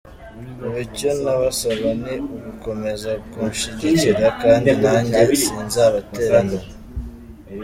Ubu icyo nabasaba ni ugukomeza kunshyigikira kandi nanjye sinzabatererana.